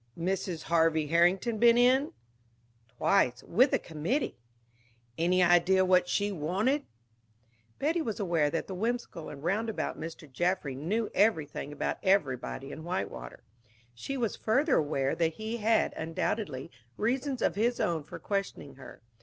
"Mrs. Harvey Herrington been in?" "Twice with a committee." "Any idea what she wanted?" Betty was aware that the whimsical and roundabout Mr. Jaffry knew everything about everybody in Whitewater. She was further aware that he had, undoubtedly, reasons of his own for questioning her.